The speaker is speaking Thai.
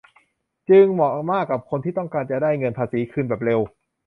จึงเหมาะมากกับคนที่ต้องการจะได้เงินภาษีคืนแบบเร็ว